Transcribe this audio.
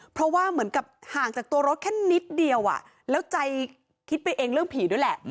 เพราะว่าเหมือนกับห่างจากตัวรถแค่นิดเดียวแล้วใจคิดไปเองเรื่องผีด้วยแหละ